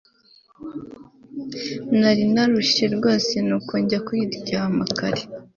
Nari narushye rwose nuko njya kuryama kare